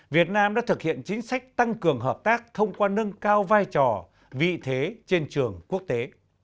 việt nam đã thực hiện chính sách tăng cường hợp tác thông qua nâng cao vai trò vị thế trên trường quốc tế